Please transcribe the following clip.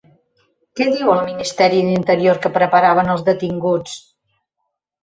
Què diu el Ministeri d'Interior que preparaven els detinguts?